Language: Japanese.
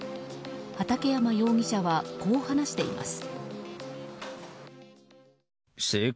畠山容疑者は、こう話しています。